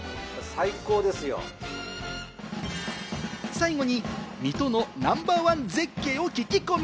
最後に、水戸のナンバー１絶景を聞き込み。